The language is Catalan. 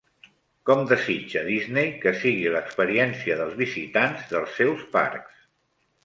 Com desitja Disney que sigui l'experiència dels visitants dels seus parcs?